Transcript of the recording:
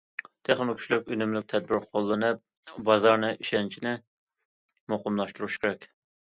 تېخىمۇ كۈچلۈك، ئۈنۈملۈك تەدبىر قوللىنىپ، بازارنى، ئىشەنچنى مۇقىملاشتۇرۇش كېرەك.